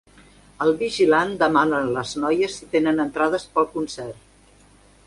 El vigilant demana a les noies si tenen entrades per al concert.